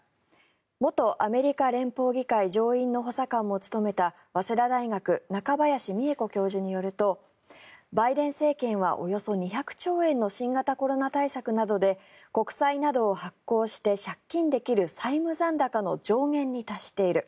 元アメリカ連邦議会上院補佐官も務めた早稲田大学中林美恵子教授によるとバイデン政権はおよそ２００兆円の新型コロナ対策などで国債などを発行して借金できる債務残高の上限に達している。